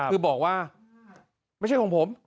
คือบอกว่าไม่ใช่ของผม